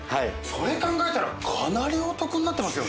それ考えたらかなりお得になってますよね？